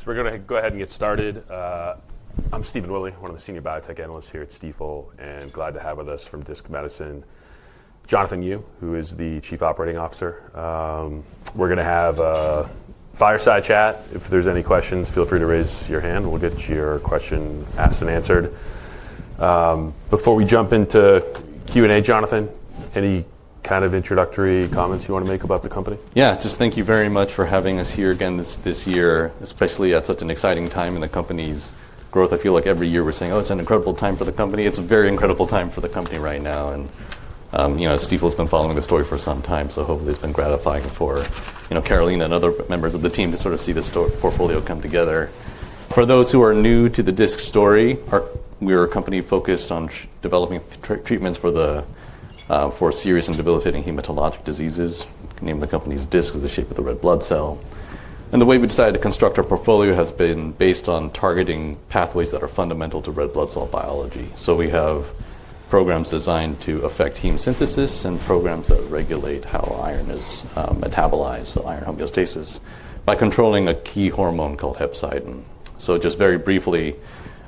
So we're going to go ahead and get started. I'm Stephen Willie, one of the senior biotech analysts here at Steve Full, and glad to have with us from Disc Medicine Johnathan Yu, who is the chief operating officer. we're going to have a fireside chat. If there's any questions, feel free to raise your hand. We'll get your question asked and answered. before we jump into Q&A, Johnathan, any kind of introductory comments you want to make about the company? Yeah, just thank you very much for having us here again this year, especially at such an exciting time in the company's growth. I feel like every year we're saying, oh, it's an incredible time for the company. It's a very incredible time for the company right now. You know, Steve Willie has been following the story for some time, so hopefully it's been gratifying for, you know, Carolina and other members of the team to sort of see this portfolio come together. For those who are new to the Disc story, we are a company focused on developing treatments for the, for serious and debilitating hematologic diseases. The name of the company is Disc, the shape of the red blood cell. The way we decided to construct our portfolio has been based on targeting pathways that are fundamental to red blood cell biology. So we have programs designed to affect heme synthesis and programs that regulate how iron is metabolized, so iron homeostasis, by controlling a key hormone called hepcidin. So just very briefly,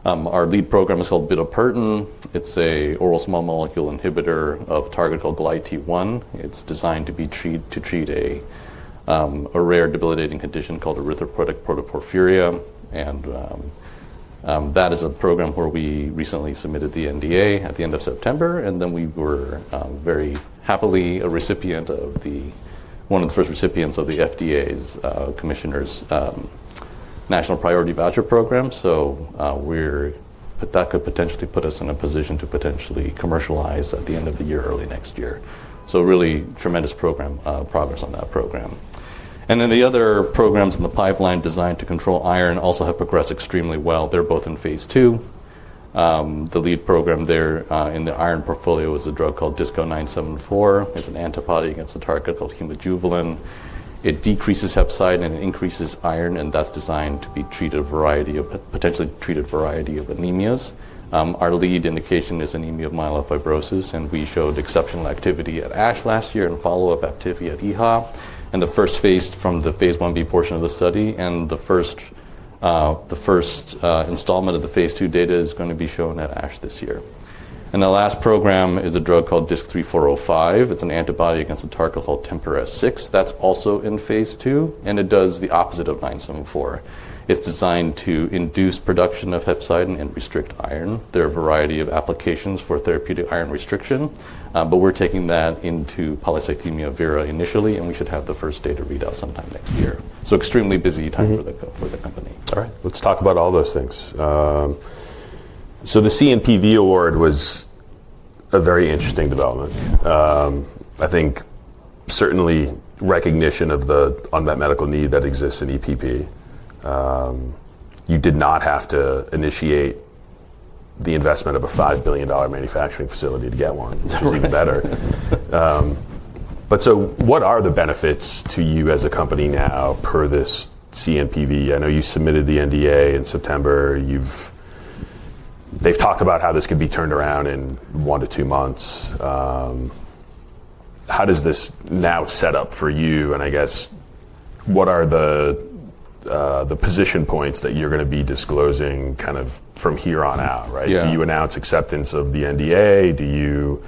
our lead program is called Bidapertin. It's an oral small molecule inhibitor of a target called GLIT1. It's designed to be treated to treat a, a rare debilitating condition called erythropoietic protoporphyria. And, that is a program where we recently submitted the NDA at the end of September. And then we were, very happily a recipient of the, one of the first recipients of the FDA's, Commissioner's, National Priority Voucher program. So, we're, that could potentially put us in a position to potentially commercialize at the end of the year, early next year. So really tremendous program, progress on that program. And then the other programs in the pipeline designed to control iron also have progressed extremely well. They're both in phase two. the lead program there, in the iron portfolio is a drug called Disco 974. It's an antibody against a target called hemojuvelin. It decreases hepcidin and increases iron, and that's designed to be treated a variety of, potentially treated a variety of anemias. our lead indication is anemia of myelofibrosis, and we showed exceptional activity at ASH last year and follow-up activity at EHOP. And the first phase from the phase one B portion of the study and the first, the first, installment of the phase two data is going to be shown at ASH this year. And the last program is a drug called Disc 3405. It's an antibody against a target called Tempor S6. That's also in phase two, and it does the opposite of 974. It's designed to induce production of hepcidin and restrict iron. There are a variety of applications for therapeutic iron restriction, but we're taking that into polycythemia vera initially, and we should have the first data readout sometime next year. So extremely busy time for the company. All right, let's talk about all those things. so the CNPV award was a very interesting development. I think certainly recognition of the unmet medical need that exists in EPP. you did not have to initiate the investment of a $5 billion manufacturing facility to get one. It's even better. but so what are the benefits to you as a company now per this CNPV? I know you submitted the NDA in September. You've, they've talked about how this could be turned around in one to two months. how does this now set up for you? And I guess what are the, the position points that you're going to be disclosing kind of from here on out, right? Do you announce acceptance of the NDA? Do you,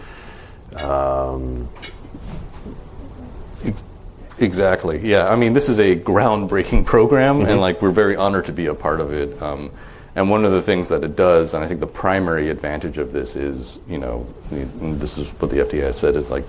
Exactly. Yeah. I mean, this is a groundbreaking program, and like we're very honored to be a part of it. and one of the things that it does, and I think the primary advantage of this is, you know, this is what the FDA has said, is like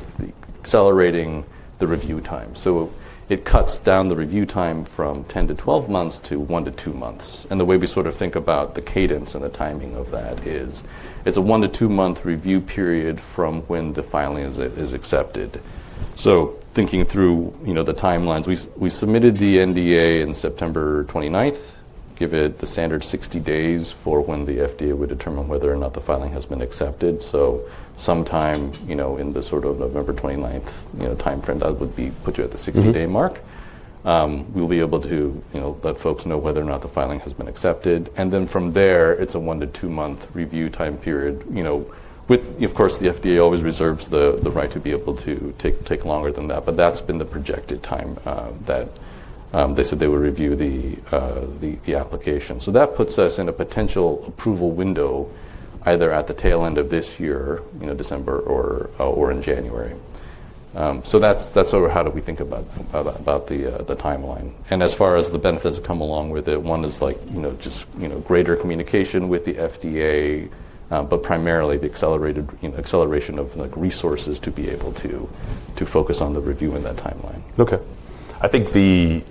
accelerating the review time. So it cuts down the review time from 10 to 12 months to one to two months. And the way we sort of think about the cadence and the timing of that is it's a one to two month review period from when the filing is accepted. So thinking through, you know, the timelines, we submitted the NDA in September 29th, give it the standard 60 days for when the FDA would determine whether or not the filing has been accepted. So sometime, you know, in the sort of November 29th, you know, timeframe, that would be put you at the 60-day mark. we'll be able to, you know, let folks know whether or not the filing has been accepted. And then from there, it's a one to two month review time period, you know, with, of course, the FDA always reserves the right to be able to take longer than that, but that's been the projected time, that, they said they would review the, the application. So that puts us in a potential approval window either at the tail end of this year, you know, December or, or in January. so that's, that's sort of how we think about, about the, the timeline. And as far as the benefits that come along with it, one is like, you know, just, you know, greater communication with the FDA, but primarily the accelerated, you know, acceleration of like resources to be able to, to focus on the review in that timeline. Okay. I think the,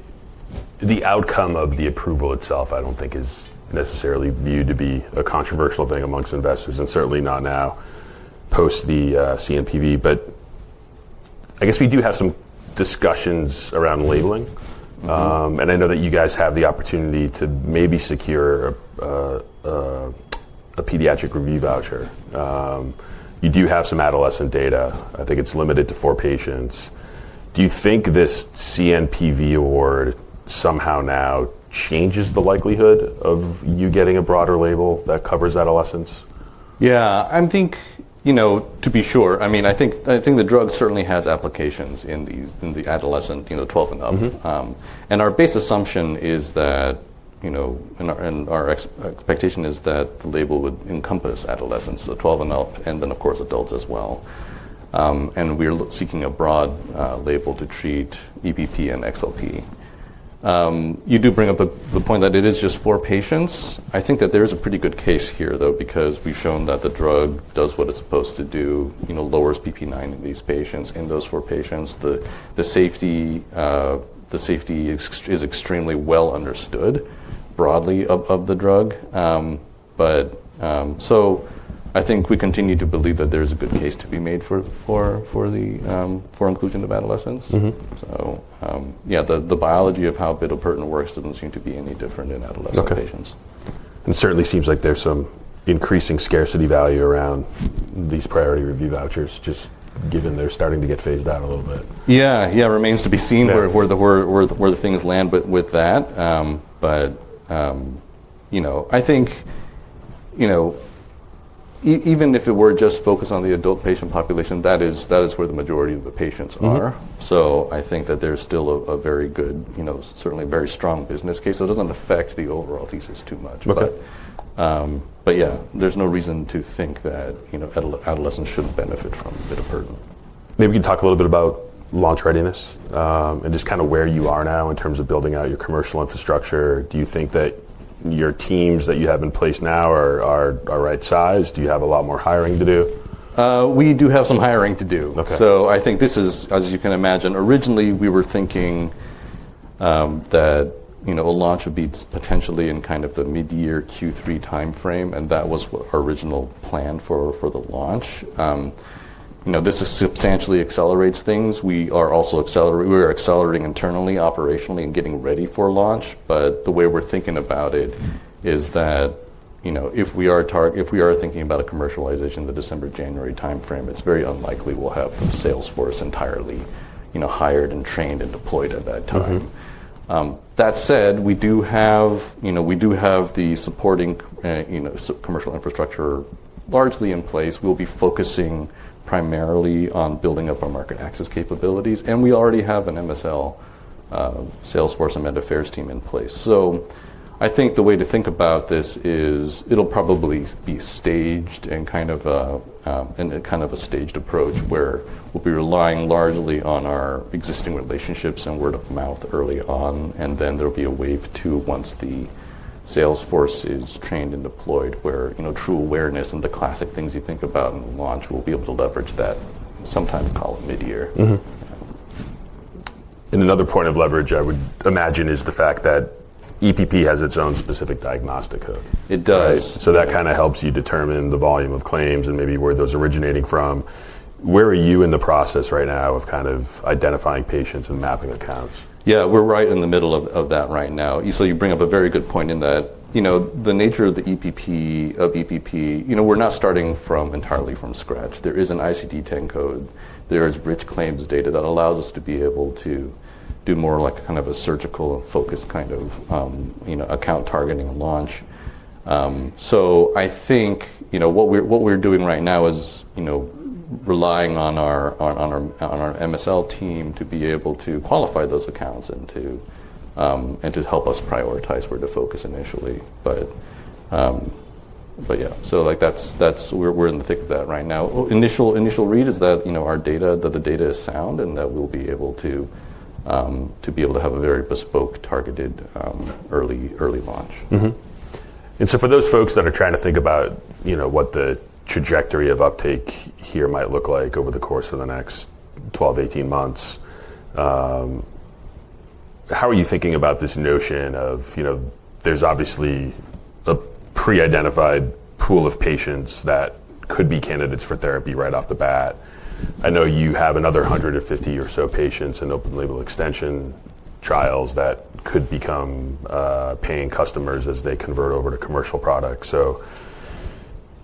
the outcome of the approval itself, I don't think is necessarily viewed to be a controversial thing amongst investors, and certainly not now post the, CNPV, but I guess we do have some discussions around labeling. and I know that you guys have the opportunity to maybe secure a, a pediatric review voucher. you do have some adolescent data. I think it's limited to four patients. Do you think this CNPV award somehow now changes the likelihood of you getting a broader label that covers adolescents? Yeah, I think, you know, to be sure, I mean, I think, I think the drug certainly has applications in these, in the adolescent, you know, 12 and up. and our base assumption is that, you know, and our expectation is that the label would encompass adolescents, so 12 and up, and then of course adults as well. and we're seeking a broad, label to treat EBP and XLP. you do bring up the point that it is just four patients. I think that there is a pretty good case here though, because we've shown that the drug does what it's supposed to do, you know, lowers PP9 in these patients. In those four patients, the, the safety, the safety is extremely well understood broadly of the drug. but, so I think we continue to believe that there's a good case to be made for, for, for the, for inclusion of adolescents. So, yeah, the, the biology of how Bidapertin works doesn't seem to be any different in adolescent patients. And it certainly seems like there's some increasing scarcity value around these priority review vouchers, just given they're starting to get phased out a little bit. Yeah, yeah, remains to be seen where, where the, where, where the things land with, with that. but, you know, I think, you know, even if it were just focused on the adult patient population, that is, that is where the majority of the patients are. So I think that there's still a very good, you know, certainly very strong business case. So it doesn't affect the overall thesis too much. But, but yeah, there's no reason to think that, you know, adolescents shouldn't benefit from Bidapertin. Maybe we can talk a little bit about launch readiness, and just kind of where you are now in terms of building out your commercial infrastructure. Do you think that your teams that you have in place now are, are, are right sized? Do you have a lot more hiring to do? we do have some hiring to do. So I think this is, as you can imagine, originally we were thinking, that, you know, a launch would be potentially in kind of the mid-year Q3 timeframe, and that was our original plan for, for the launch. you know, this substantially accelerates things. We are also accelerating, we are accelerating internally, operationally and getting ready for launch. But the way we're thinking about it is that, you know, if we are target, if we are thinking about a commercialization, the December, January timeframe, it's very unlikely we'll have Salesforce entirely, you know, hired and trained and deployed at that time. that said, we do have, you know, we do have the supporting, you know, commercial infrastructure largely in place. We'll be focusing primarily on building up our market access capabilities, and we already have an MSL, Salesforce and Medicare's team in place. So I think the way to think about this is it'll probably be staged and kind of a, and kind of a staged approach where we'll be relying largely on our existing relationships and word of mouth early on. And then there'll be a wave too, once the Salesforce is trained and deployed, where, you know, true awareness and the classic things you think about in launch, we'll be able to leverage that sometime in mid-year. And another point of leverage, I would imagine, is the fact that EPP has its own specific diagnostic code. It does. So that kind of helps you determine the volume of claims and maybe where those originating from. Where are you in the process right now of kind of identifying patients and mapping accounts? Yeah, we're right in the middle of that right now. So you bring up a very good point in that, you know, the nature of the EPP, of EPP, you know, we're not starting from entirely from scratch. There is an ICD-10 code. There is rich claims data that allows us to be able to do more like kind of a surgical focus kind of, you know, account targeting launch. so I think, you know, what we're, what we're doing right now is, you know, relying on our, on our, on our MSL team to be able to qualify those accounts and to, and to help us prioritize where to focus initially. But, but yeah, so like that's, that's where we're in the thick of that right now. Initial, initial read is that, you know, our data, that the data is sound and that we'll be able to, to be able to have a very bespoke targeted, early, early launch. And so for those folks that are trying to think about, you know, what the trajectory of uptake here might look like over the course of the next 12, 18 months, how are you thinking about this notion of, you know, there's obviously a pre-identified pool of patients that could be candidates for therapy right off the bat. I know you have another 150 or so patients in open label extension trials that could become, paying customers as they convert over to commercial products.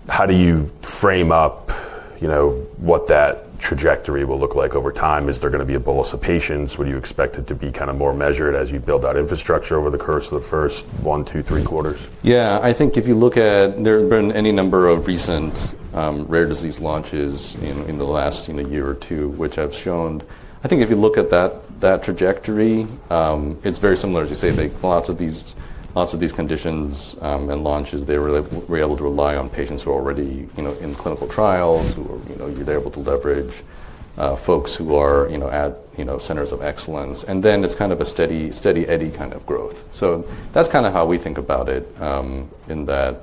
So how do you frame up, you know, what that trajectory will look like over time? Is there going to be a bolus of patients? Would you expect it to be kind of more measured as you build out infrastructure over the course of the first one, two, three quarters? Yeah, I think if you look at, there have been any number of recent, rare disease launches in, in the last, you know, year or two, which I've shown. I think if you look at that, that trajectory, it's very similar as you say, like lots of these, lots of these conditions, and launches, they were able to rely on patients who are already, you know, in clinical trials, who are, you know, you're able to leverage, folks who are, you know, at, you know, centers of excellence. And then it's kind of a steady, steady eddy kind of growth. So that's kind of how we think about it, in that,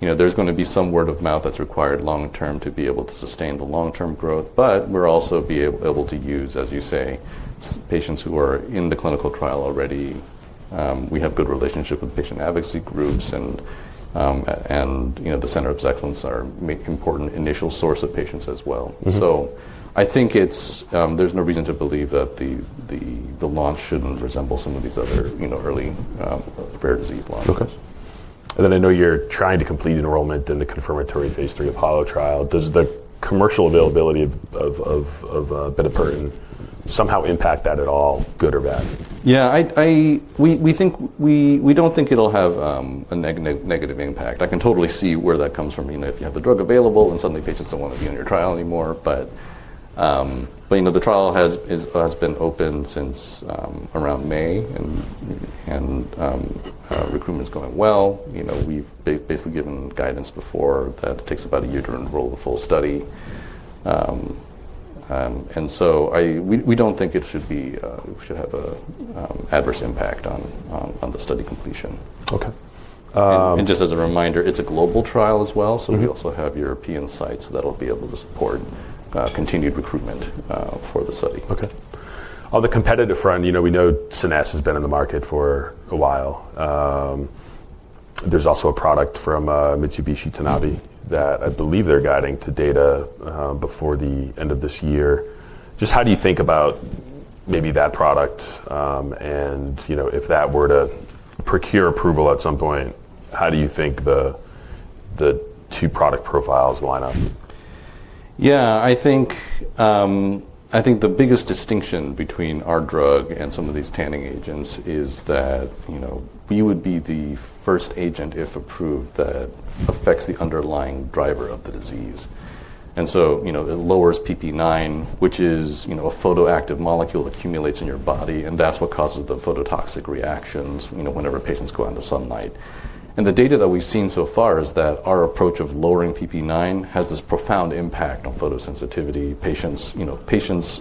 you know, there's going to be some word of mouth that's required long term to be able to sustain the long term growth, but we're also be able to use, as you say, patients who are in the clinical trial already. we have good relationship with patient advocacy groups and, and, you know, the center of excellence are important initial source of patients as well. So I think it's, there's no reason to believe that the, the, the launch shouldn't resemble some of these other, you know, early, rare disease launches. Okay. And then I know you're trying to complete enrollment in the confirmatory phase three Apollo trial. Does the commercial availability of, of, of, Bidapertin somehow impact that at all, good or bad? Yeah, I, I, we, we think, we, we don't think it'll have, a negative impact. I can totally see where that comes from, you know, if you have the drug available and suddenly patients don't want to be in your trial anymore. But, but you know, the trial has, has been open since, around May and, and, recruitment's going well. You know, we've basically given guidance before that it takes about a year to enroll the full study. and so I, we, we don't think it should be, should have a, adverse impact on, on, on the study completion. Okay. And just as a reminder, it's a global trial as well. So we also have European sites that'll be able to support, continued recruitment, for the study. Okay. On the competitive front, you know, we know Cinesse has been in the market for a while. there's also a product from, Mitsubishi Tanabe that I believe they're guiding to data, before the end of this year. Just how do you think about maybe that product? and, you know, if that were to procure approval at some point, how do you think the, the two product profiles line up? Yeah, I think, I think the biggest distinction between our drug and some of these tanning agents is that, you know, we would be the first agent if approved that affects the underlying driver of the disease. And so, you know, it lowers PP9, which is, you know, a photoactive molecule that accumulates in your body, and that's what causes the phototoxic reactions, you know, whenever patients go out into sunlight. And the data that we've seen so far is that our approach of lowering PP9 has this profound impact on photosensitivity. Patients, you know, patients,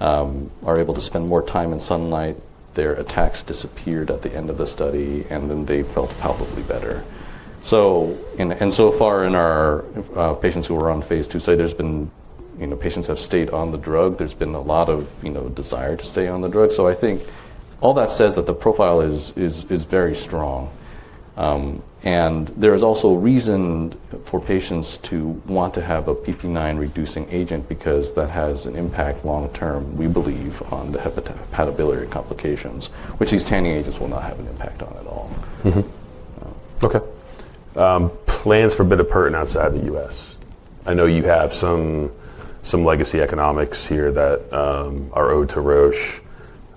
are able to spend more time in sunlight, their attacks disappeared at the end of the study, and then they felt palpably better. So, and so far in our, patients who were on phase two, say there's been, you know, patients have stayed on the drug, there's been a lot of, you know, desire to stay on the drug. So I think all that says that the profile is, is, is very strong. and there is also a reason for patients to want to have a PP9 reducing agent because that has an impact long term, we believe, on the hepatobiliary complications, which these tanning agents will not have an impact on at all. Okay. plans for Bidapertin outside the U.S.? I know you have some, some legacy economics here that, are owed to Roche.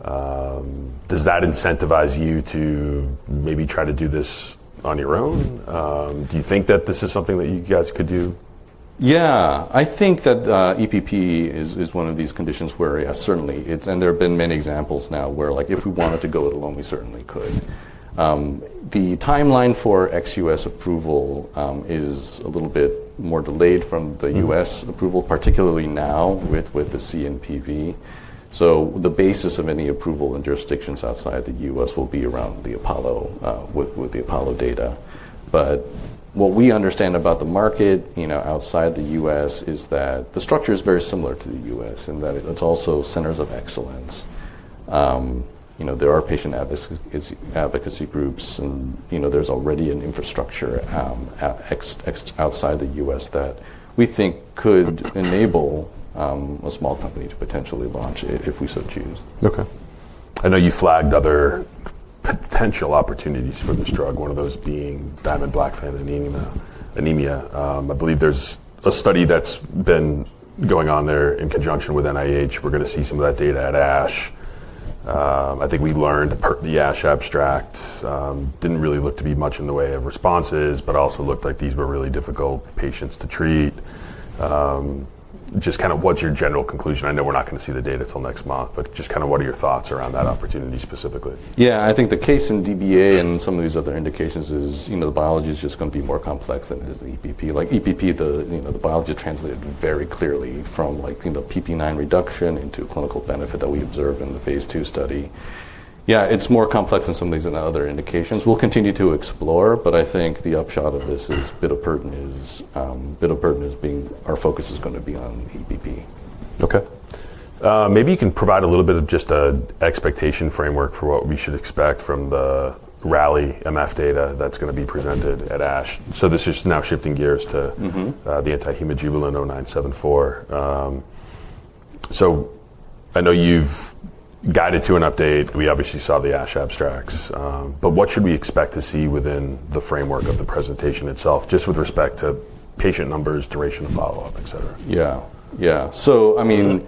does that incentivize you to maybe try to do this on your own? do you think that this is something that you guys could do? Yeah, I think that, EPP is, is one of these conditions where yes, certainly it's, and there have been many examples now where like if we wanted to go at alone, we certainly could. the timeline for XUS approval, is a little bit more delayed from the U.S. approval, particularly now with, with the CNPV. So the basis of any approval and jurisdictions outside the U.S. will be around the Apollo, with, with the Apollo data. But what we understand about the market, you know, outside the U.S. is that the structure is very similar to the U.S. in that it's also centers of excellence. you know, there are patient advocacy groups and, you know, there's already an infrastructure, outside the U.S. that we think could enable, a small company to potentially launch if we so choose. Okay. I know you flagged other potential opportunities for this drug, one of those being Diamond Blackfang and anemia. I believe there's a study that's been going on there in conjunction with NIH. We're going to see some of that data at ASH. I think we learned the ASH abstract, didn't really look to be much in the way of responses, but also looked like these were really difficult patients to treat. just kind of what's your general conclusion? I know we're not going to see the data till next month, but just kind of what are your thoughts around that opportunity specifically? Yeah, I think the case in DBA and some of these other indications is, you know, the biology is just going to be more complex than it is the EPP. Like EPP, the, you know, the biology translated very clearly from like, you know, PP9 reduction into clinical benefit that we observed in the phase two study. Yeah, it's more complex than some of these other indications. We'll continue to explore, but I think the upshot of this is Bidapertin is, Bidapertin is being, our focus is going to be on EPP. Okay. maybe you can provide a little bit of just an expectation framework for what we should expect from the RALI MF data that's going to be presented at ASH. So this is now shifting gears to, the antihemoglobin 0974. so I know you've guided to an update. We obviously saw the ASH abstracts. but what should we expect to see within the framework of the presentation itself, just with respect to patient numbers, duration of follow-up, etc.? Yeah. Yeah. So, I mean,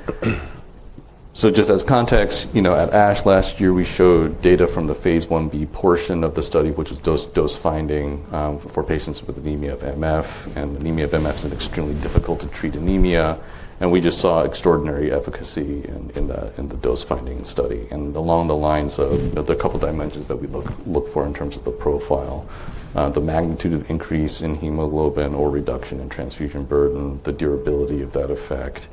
so just as context, you know, at ASH last year, we showed data from the phase one B portion of the study, which was dose finding, for patients with anemia of MF. And anemia of MF is an extremely difficult to treat anemia. And we just saw extraordinary efficacy in the, in the dose finding study. And along the lines of the couple of dimensions that we look, look for in terms of the profile, the magnitude of increase in hemoglobin or reduction in transfusion burden, the durability of that effect,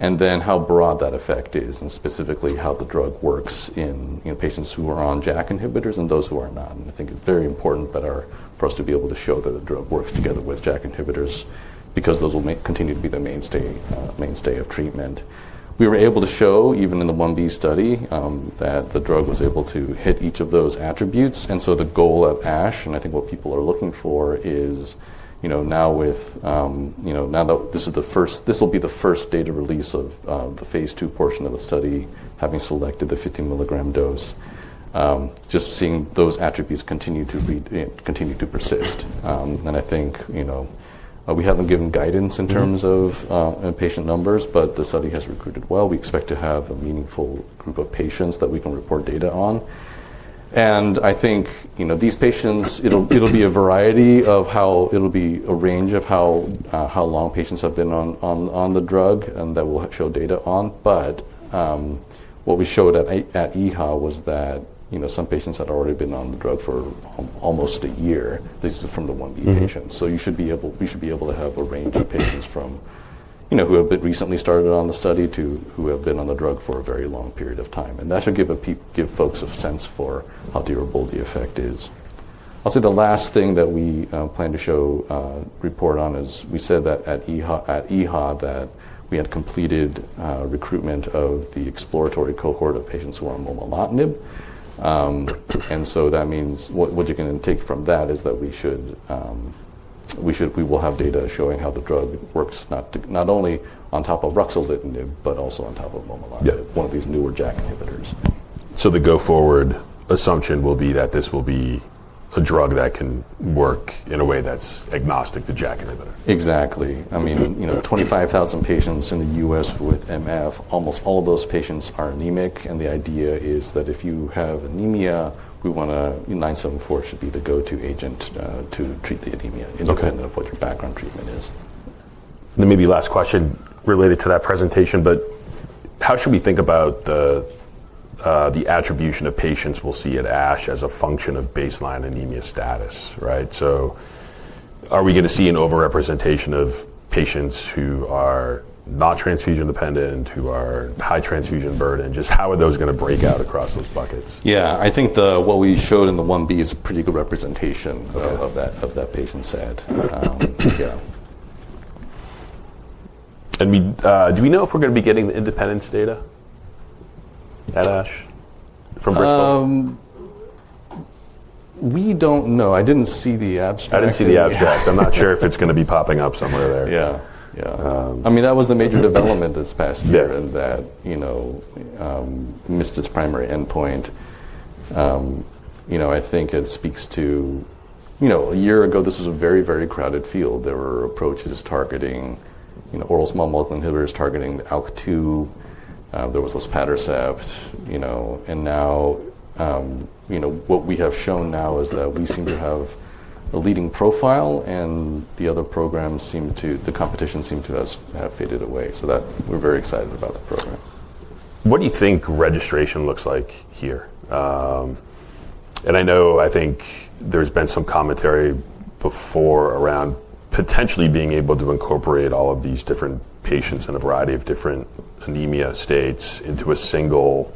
and then how broad that effect is and specifically how the drug works in, you know, patients who are on JAK inhibitors and those who are not. And I think it's very important that our, for us to be able to show that the drug works together with JAK inhibitors because those will continue to be the mainstay, mainstay of treatment. We were able to show even in the one B study, that the drug was able to hit each of those attributes. And so the goal at ASH, and I think what people are looking for is, you know, now with, you know, now that this is the first, this will be the first data release of, the phase two portion of the study having selected the 50 milligram dose, just seeing those attributes continue to read, continue to persist. and I think, you know, we haven't given guidance in terms of, patient numbers, but the study has recruited well. We expect to have a meaningful group of patients that we can report data on. And I think, you know, these patients, it'll, it'll be a variety of how it'll be a range of how, how long patients have been on, on, on the drug and that will show data on. But, what we showed at, at EHO was that, you know, some patients had already been on the drug for almost a year. This is from the one B patient. So you should be able, we should be able to have a range of patients from, you know, who have been recently started on the study to who have been on the drug for a very long period of time. And that should give a, give folks a sense for how durable the effect is. I'll say the last thing that we, plan to show, report on is we said that at EHO, at EHO that we had completed, recruitment of the exploratory cohort of patients who are on mumalotinib. and so that means what, what you can take from that is that we should, we should, we will have data showing how the drug works, not, not only on top of ruxolitinib, but also on top of mumalotinib, one of these newer JAK inhibitors. So the go forward assumption will be that this will be a drug that can work in a way that's agnostic to JAK inhibitors. Exactly. I mean, you know, 25,000 patients in the U.S. with MF, almost all those patients are anemic. And the idea is that if you have anemia, we want to, 974 should be the go-to agent, to treat the anemia independent of what your background treatment is. And then maybe last question related to that presentation, but how should we think about the, the attribution of patients we'll see at ASH as a function of baseline anemia status, right? So are we going to see an overrepresentation of patients who are not transfusion dependent, who are high transfusion burden? Just how are those going to break out across those buckets? Yeah, I think the, what we showed in the one B is a pretty good representation of that, of that patient set. yeah. And we, do we know if we're going to be getting the independence data at ASH from Bristol? we don't know. I didn't see the abstract. I didn't see the abstract. I'm not sure if it's going to be popping up somewhere there. Yeah. Yeah. I mean, that was the major development this past year and that, you know, missed its primary endpoint. you know, I think it speaks to, you know, a year ago this was a very, very crowded field. There were approaches targeting, you know, oral small molecule inhibitors targeting ALK2. there was less Padrecept, you know, and now, you know, what we have shown now is that we seem to have a leading profile and the other programs seem to, the competition seem to have, have faded away. So that we're very excited about the program. What do you think registration looks like here? and I know, I think there's been some commentary before around potentially being able to incorporate all of these different patients in a variety of different anemia states into a single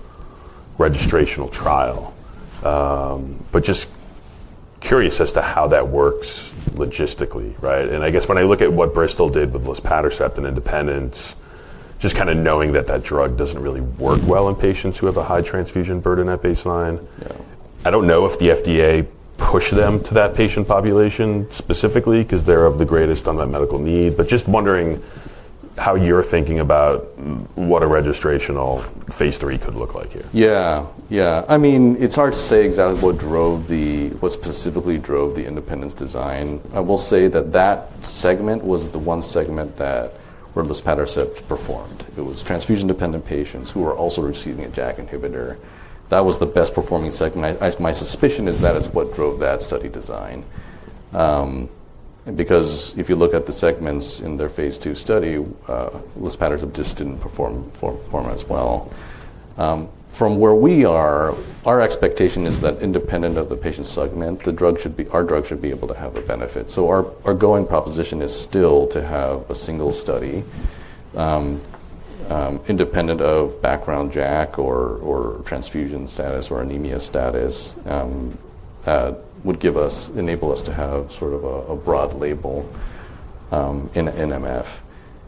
registrational trial. but just curious as to how that works logistically, right? And I guess when I look at what Bristol did with less Padrecept and independence, just kind of knowing that that drug doesn't really work well in patients who have a high transfusion burden at baseline. I don't know if the FDA pushed them to that patient population specifically because they're of the greatest unmet medical need, but just wondering how you're thinking about what a registrational phase three could look like here. Yeah. Yeah. I mean, it's hard to say exactly what drove the, what specifically drove the independence design. I will say that that segment was the one segment that where less Padrecept performed. It was transfusion dependent patients who were also receiving a JAK inhibitor. That was the best performing segment. My suspicion is that is what drove that study design. because if you look at the segments in their phase two study, less Padrecept just didn't perform, perform as well. from where we are, our expectation is that independent of the patient segment, the drug should be, our drug should be able to have a benefit. So our, our going proposition is still to have a single study, independent of background JAK or, or transfusion status or anemia status, would give us, enable us to have sort of a, a broad label, in NMF.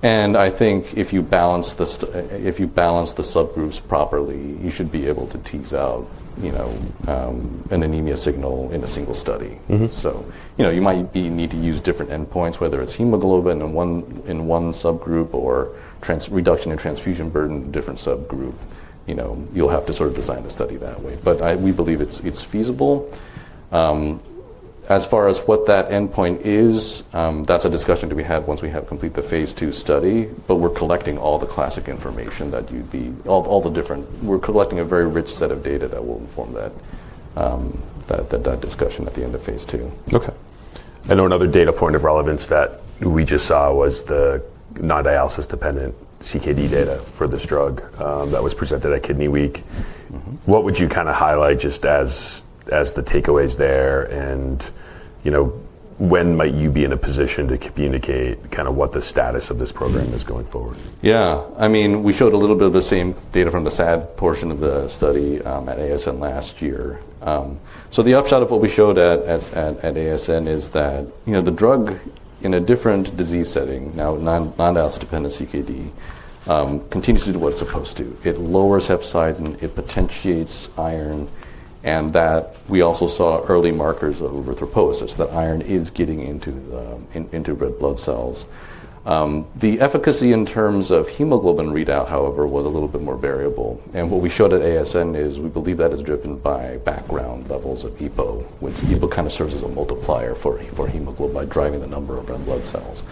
And I think if you balance the, if you balance the subgroups properly, you should be able to tease out, you know, an anemia signal in a single study. So, you know, you might need to use different endpoints, whether it's hemoglobin in one, in one subgroup or reduction in transfusion burden in a different subgroup, you know, you'll have to sort of design the study that way. But I, we believe it's, it's feasible. as far as what that endpoint is, that's a discussion to be had once we have complete the phase two study, but we're collecting all the classic information that you'd be, all the different, we're collecting a very rich set of data that will inform that, that, that, that discussion at the end of phase two. Okay. I know another data point of relevance that we just saw was the non-dialysis dependent CKD data for this drug, that was presented at Kidney Week. What would you kind of highlight just as, as the takeaways there and, you know, when might you be in a position to communicate kind of what the status of this program is going forward? Yeah. I mean, we showed a little bit of the same data from the SAD portion of the study, at ASN last year. so the upshot of what we showed at, at, at, at ASN is that, you know, the drug in a different disease setting, now non-dialysis dependent CKD, continues to do what it's supposed to. It lowers hepcidin, it potentiates iron, and that we also saw early markers of erythropoiesis, that iron is getting into, into red blood cells. the efficacy in terms of hemoglobin readout, however, was a little bit more variable. And what we showed at ASN is we believe that is driven by background levels of EPO, which EPO kind of serves as a multiplier for, for hemoglobin by driving the number of red blood cells.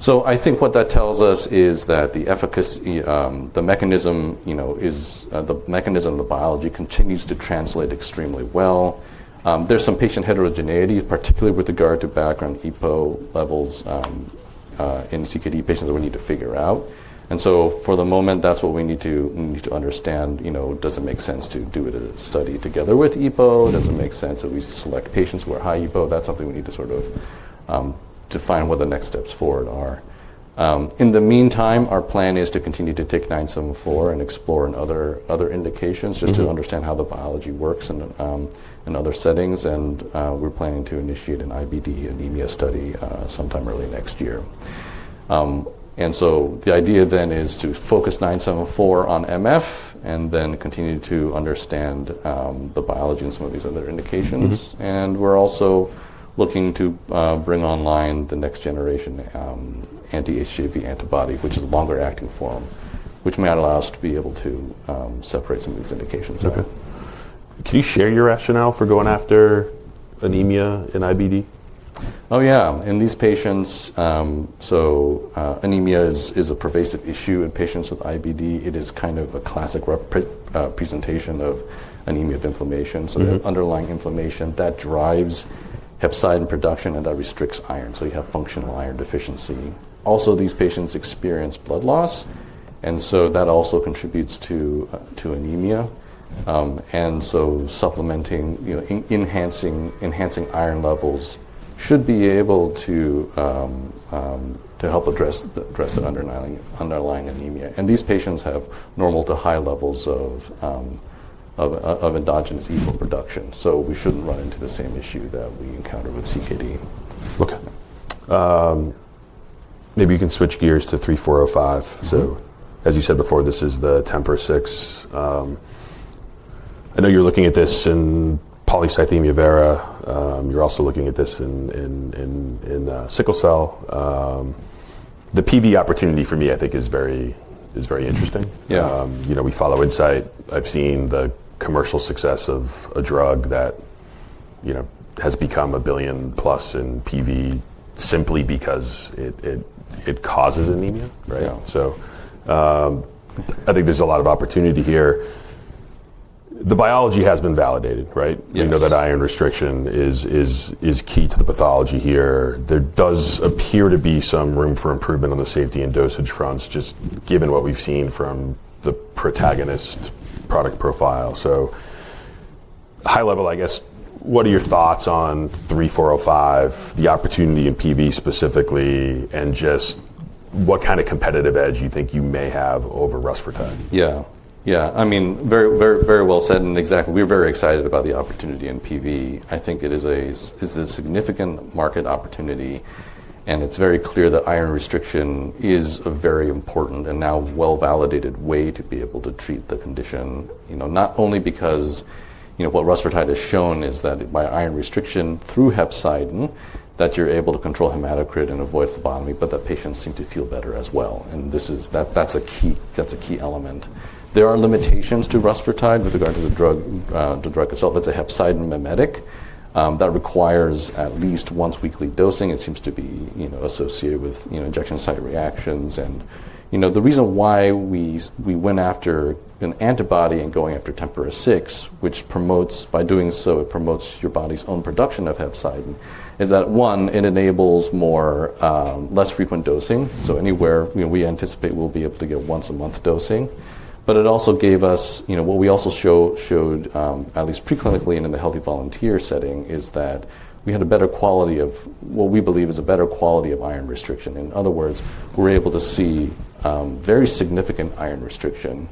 So I think what that tells us is that the efficacy, the mechanism, you know, is the mechanism of the biology continues to translate extremely well. there's some patient heterogeneity, particularly with regard to background EPO levels, in CKD patients that we need to figure out. And so for the moment, that's what we need to, we need to understand, you know, does it make sense to do a study together with EPO? Does it make sense that we select patients who are high EPO? That's something we need to sort of, define what the next steps forward are. in the meantime, our plan is to continue to take 974 and explore in other, other indications just to understand how the biology works in, in other settings. And, we're planning to initiate an IBD anemia study, sometime early next year. and so the idea then is to focus 974 on MF and then continue to understand, the biology and some of these other indications. And we're also looking to, bring online the next generation, anti-HCV antibody, which is a longer acting form, which might allow us to be able to, separate some of these indications. Okay. Can you share your rationale for going after anemia in IBD? Oh yeah. In these patients, so, anemia is, is a pervasive issue in patients with IBD. It is kind of a classic representation of anemia of inflammation. So the underlying inflammation that drives hepcidin production and that restricts iron. So you have functional iron deficiency. Also, these patients experience blood loss. And so that also contributes to, to anemia. and so supplementing, you know, enhancing, enhancing iron levels should be able to, to help address, address the underlying, underlying anemia. And these patients have normal to high levels of, of, of endogenous EPO production. So we shouldn't run into the same issue that we encounter with CKD. Okay. maybe you can switch gears to 3405. So as you said before, this is the 10 per 6. I know you're looking at this in polycythemia vera. you're also looking at this in, in, in, in, sickle cell. the PV opportunity for me, I think is very, is very interesting. you know, we follow Insight. I've seen the commercial success of a drug that, you know, has become a billion plus in PV simply because it, it, it causes anemia, right? So, I think there's a lot of opportunity here. The biology has been validated, right? We know that iron restriction is, is, is key to the pathology here. There does appear to be some room for improvement on the safety and dosage fronts, just given what we've seen from the protagonist product profile. So high level, I guess, what are your thoughts on 3405, the opportunity in PV specifically, and just what kind of competitive edge you think you may have over Rust for Tide? Yeah. Yeah. I mean, very, very, very well said. And exactly. We're very excited about the opportunity in PV. I think it is a, is a significant market opportunity. And it's very clear that iron restriction is a very important and now well-validated way to be able to treat the condition, you know, not only because, you know, what Rust for Tide has shown is that by iron restriction through hepcidin, that you're able to control hematocrit and avoid phlebotomy, but that patients seem to feel better as well. And this is, that, that's a key, that's a key element. There are limitations to Rust for Tide with regard to the drug, the drug itself. That's a hepcidin memetic, that requires at least once weekly dosing. It seems to be, you know, associated with, you know, injection site reactions. And, you know, the reason why we, we went after an antibody and going after 10 per 6, which promotes, by doing so, it promotes your body's own production of hepcidin, is that one, it enables more, less frequent dosing. So anywhere, you know, we anticipate we'll be able to get once a month dosing. But it also gave us, you know, what we also showed, at least preclinically and in the healthy volunteer setting is that we had a better quality of what we believe is a better quality of iron restriction. In other words, we're able to see, very significant iron restriction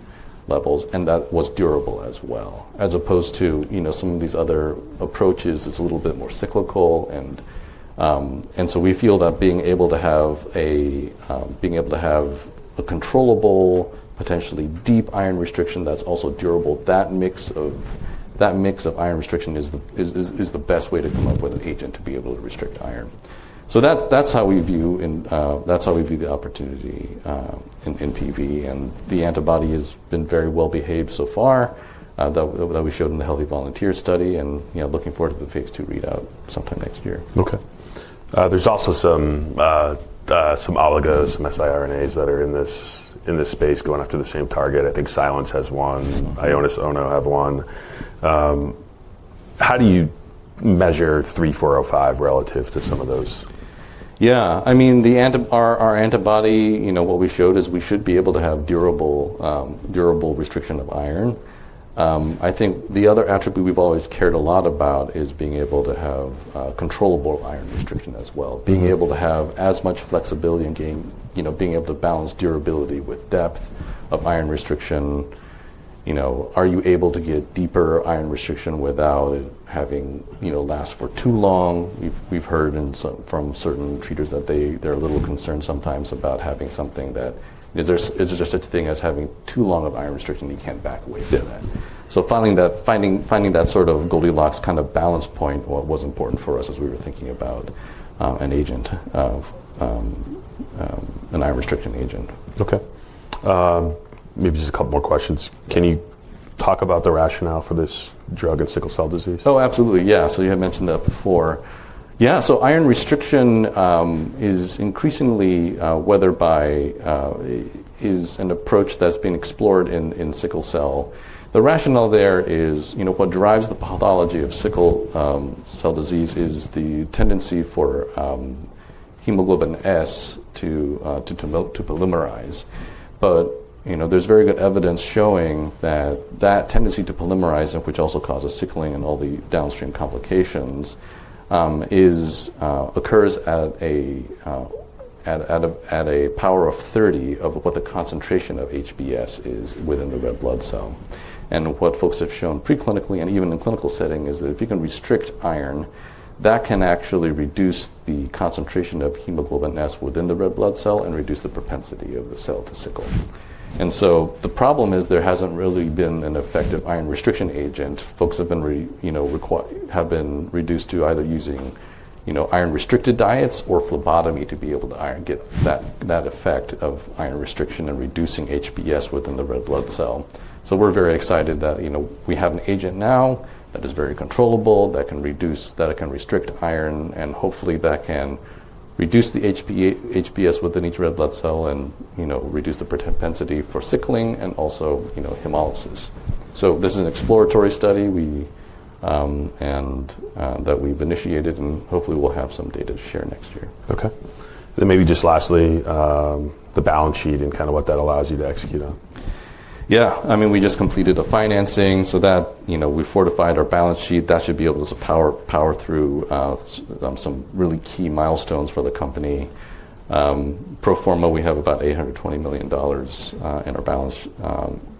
levels and that was durable as well, as opposed to, you know, some of these other approaches. It's a little bit more cyclical. And, and so we feel that being able to have a, being able to have a controllable, potentially deep iron restriction that's also durable, that mix of, that mix of iron restriction is the, is, is the best way to come up with an agent to be able to restrict iron. So that, that's how we view in, that's how we view the opportunity, in, in PV. And the antibody has been very well behaved so far, that, that we showed in the healthy volunteer study and, you know, looking forward to the phase two readout sometime next year. Okay. there's also some, some oligos, some siRNAs that are in this, in this space going after the same target. I think CYLINTS has one. IONIS-ONO have one. how do you measure 3405 relative to some of those? Yeah. I mean, the antibody, our, our antibody, you know, what we showed is we should be able to have durable, durable restriction of iron. I think the other attribute we've always cared a lot about is being able to have, controllable iron restriction as well. Being able to have as much flexibility and gain, you know, being able to balance durability with depth of iron restriction. You know, are you able to get deeper iron restriction without it having, you know, last for too long? We've, we've heard in some from certain treaters that they, they're a little concerned sometimes about having something that is there, is there just such a thing as having too long of iron restriction that you can't back away from that? So finding that, finding, finding that sort of Goldilocks kind of balance point was important for us as we were thinking about, an agent, an iron restriction agent. Okay. maybe just a couple more questions. Can you talk about the rationale for this drug in sickle cell disease? Oh, absolutely. Yeah. So you had mentioned that before. Yeah. So iron restriction, is increasingly, weathered by, is an approach that's been explored in, in sickle cell. The rationale there is, you know, what drives the pathology of sickle, cell disease is the tendency for, hemoglobin S to, to, to polymerize. But, you know, there's very good evidence showing that that tendency to polymerize, which also causes sickling and all the downstream complications, is, occurs at a, at, at a, at a power of 30 of what the concentration of HBS is within the red blood cell. And what folks have shown preclinically and even in clinical setting is that if you can restrict iron, that can actually reduce the concentration of hemoglobin S within the red blood cell and reduce the propensity of the cell to sickle. And so the problem is there hasn't really been an effective iron restriction agent. Folks have been, you know, required, have been reduced to either using, you know, iron restricted diets or phlebotomy to be able to iron get that, that effect of iron restriction and reducing HBS within the red blood cell. So we're very excited that, you know, we have an agent now that is very controllable that can reduce, that can restrict iron and hopefully that can reduce the HBS within each red blood cell and, you know, reduce the propensity for sickling and also, you know, hemolysis. So this is an exploratory study we, and, that we've initiated and hopefully we'll have some data to share next year. Okay. Then maybe just lastly, the balance sheet and kind of what that allows you to execute on. Yeah. I mean, we just completed a financing. So that, you know, we fortified our balance sheet. That should be able to power, power through, some really key milestones for the company. pro forma, we have about $820 million, in our balance,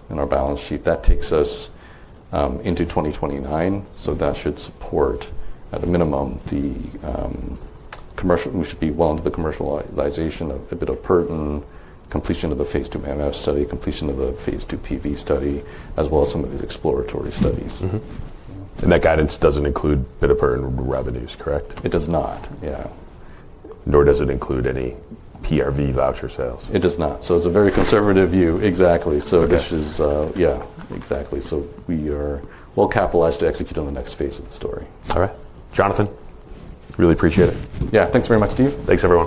in our balance sheet. That takes us, into 2029. So that should support at a minimum the, commercial, we should be well into the commercialization of Bidapertin, completion of the phase two MF study, completion of the phase two PV study, as well as some of these exploratory studies. And that guidance doesn't include Bidapertin revenues, correct? It does not. Yeah. Nor does it include any PRV voucher sales. It does not. So it's a very conservative view. Exactly. So this is, yeah, exactly. So we are well capitalized to execute on the next phase of the story. All right. Jonathan, really appreciate it. Yeah. Thanks very much, Steve. Thanks everyone.